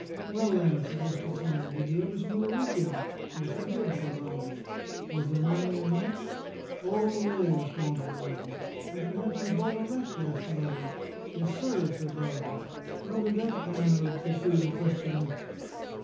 "Well, then," suggested some one, "did you ever smuggle opium?" "Yes, I did," said Loudon. "Was there money in that?" "All the way," responded Loudon. "And perhaps you bought a wreck?" asked another. "Yes, sir," said Loudon. "How did that pan out?" pursued the questioner.